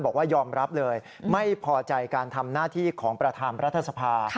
บอกว่ายอมรับเลยไม่พอใจการทำหน้าที่ของประธานรัฐสภา